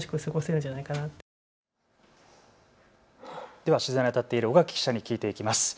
では取材にあたっている尾垣記者に聞いていきます。